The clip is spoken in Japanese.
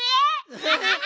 アハハハ！